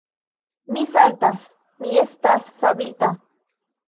Mi saltas: mi estas savita.